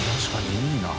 いいな。